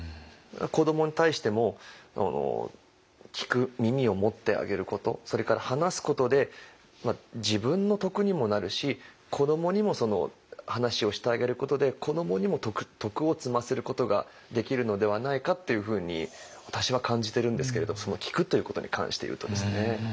子どもに対しても聞く耳を持ってあげることそれから話すことで自分の徳にもなるし子どもにもその話をしてあげることで子どもにも徳を積ませることができるのではないかっていうふうに私は感じてるんですけれどその聴くということに関していうとですね。